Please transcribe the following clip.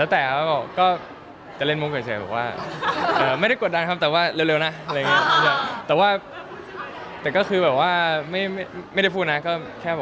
แต่คุณแม่ไม่ได้กดดันไม่กดดันแล้วแค่บอกว่าจะเล่นโมงเกิดเฉย